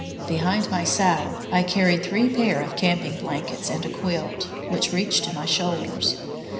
Behind my saddle I carried three pair of camping blankets and a quilt, which reached to my shoulders.